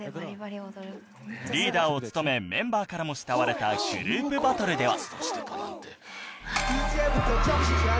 リーダーを務めメンバーからも慕われたグループバトルでは